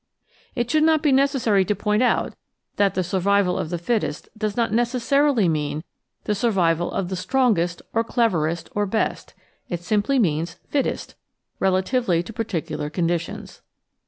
It should not be necessary to point out that "the survival of the fittest" does not necessarily mean the survival of the strongest or cleverest or best ; it simply means "fittest" relatively to particular conditions.